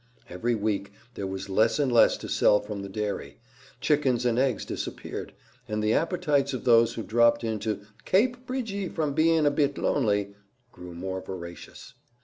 Every week there was less and less to sell from the dairy; chickens and eggs disappeared, and the appetites of those who dropped in to "kape Bridgy from bein' a bit lonely" grew more voracious.